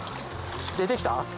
出て来た？